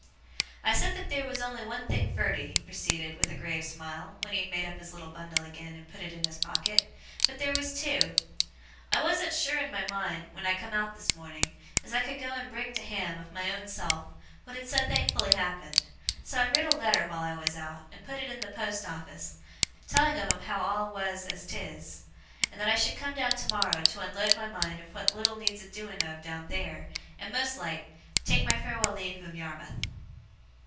'I said that theer was on'y one thing furder,' he proceeded with a grave smile, when he had made up his little bundle again, and put it in his pocket; 'but theer was two. I warn't sure in my mind, wen I come out this morning, as I could go and break to Ham, of my own self, what had so thankfully happened. So I writ a letter while I was out, and put it in the post office, telling of 'em how all was as 'tis; and that I should come down tomorrow to unload my mind of what little needs a doing of down theer, and, most like, take my farewell leave of Yarmouth.